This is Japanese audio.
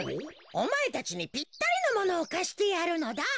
おまえたちにぴったりのものをかしてやるのだ。